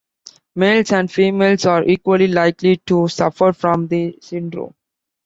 Males and females are equally likely to suffer from the syndrome.